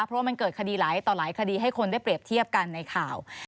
เพราะว่ามันเกิดคดีหลายต่อหลายคดีให้คนได้เปรียบเทียบกันในข่าว